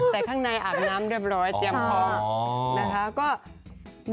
แต่ข้างในอาบน้ำเรียบร้อยเตรียมพร้อมนะคะ